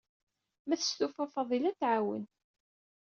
Ma testufa Fatiḥa, ad t-tɛawen.